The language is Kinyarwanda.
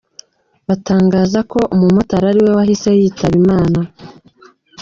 Batangaza ko umumotari ari we wahise yitaba Imana.